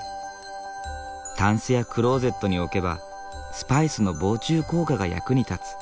タンスやクローゼットに置けばスパイスの防虫効果が役に立つ。